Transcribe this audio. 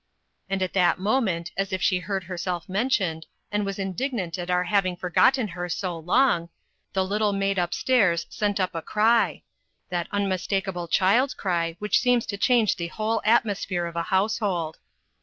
And at that moment, as if she heard herself mentioned, and was indignant at our having forgotten her so long, the little maid up stairs set up a cry that unmistakable child's cry, which seems to change the whole atmosphere of a household.